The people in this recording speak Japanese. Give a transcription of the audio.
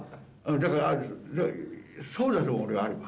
だから、そうだと思う、あれば。